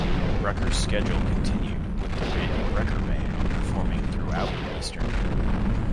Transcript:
Brecker's schedule continued with the Randy Brecker Band performing throughout Eastern Europe.